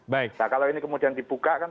nah kalau ini kemudian dibuka kan